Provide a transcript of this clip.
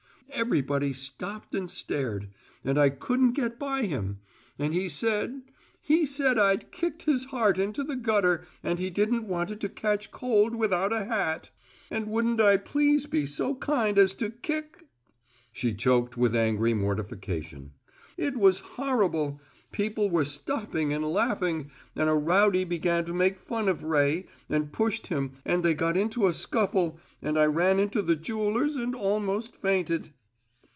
Everybody stopped and stared; and I couldn't get by him. And he said he said I'd kicked his heart into the gutter and he didn't want it to catch cold without a hat! And wouldn't I please be so kind as to kick " She choked with angry mortification. "It was horrible! People were stopping and laughing, and a rowdy began to make fun of Ray, and pushed him, and they got into a scuffle, and I ran into the jeweller's and almost fainted."